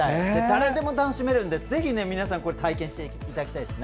誰でも楽しめるのでぜひ皆さん体験していただきたいです。